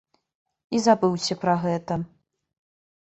І забыўся пра гэта.